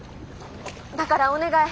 だからお願い。